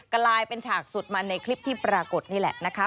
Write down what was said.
กลายเป็นฉากสุดมันในคลิปที่ปรากฏนี่แหละนะคะ